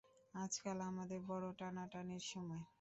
আজকাল আমাদের বড়ো টানাটানির সময়।